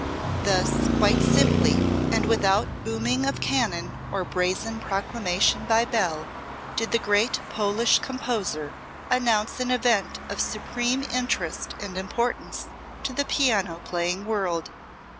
Thus, quite simply and without booming of cannon or brazen proclamation by bell, did the great Polish composer announce an event of supreme interest and importance to the piano playing world.